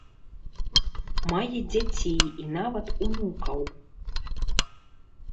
Мае дзяцей і нават унукаў.